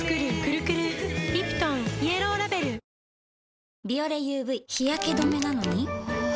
警視庁は、「ビオレＵＶ」日焼け止めなのにほぉ。